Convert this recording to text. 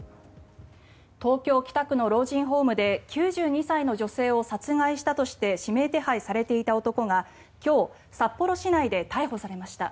東京・北区の老人ホームで９２歳の女性を殺害したとして指名手配されていた男が今日、札幌市内で逮捕されました。